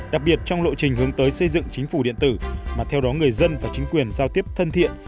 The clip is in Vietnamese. đặc biệt trong lộ trình hướng tới xây dựng chính phủ điện tử mà theo đó người dân và chính quyền giao tiếp thân thiện